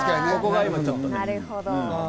なるほど。